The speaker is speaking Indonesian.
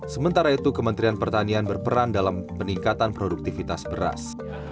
sementara itu kementerian pertanian berperan dalam peningkatan produktivitas beras